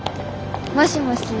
もしもし？